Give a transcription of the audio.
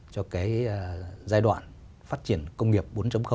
cho giai đoạn phát triển công nghiệp bốn